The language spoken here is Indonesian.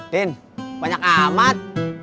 din banyak amat